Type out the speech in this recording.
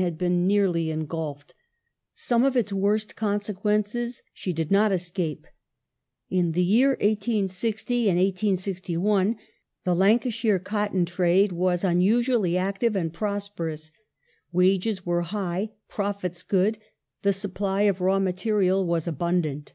The had been nearly engulfed ; some of its worst consequences she did cotton not escape. In the year 1860 1861 the Lancashire cotton trade was unusually active and prosperous : wages were high ; profits good ; the supply of raw material was abundant.